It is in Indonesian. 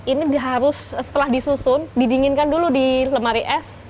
ini harus setelah disusun didinginkan dulu di lemari es